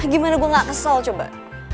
gimana gue gak kesel coba